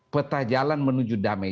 peta jalan menuju damai